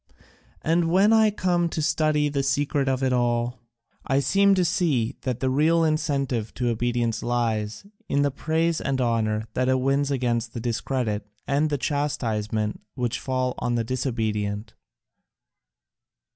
And when I come to study the secret of it all, I seem to see that the real incentive to obedience lies in the praise and honour that it wins against the discredit and the chastisement which fall on the disobedient."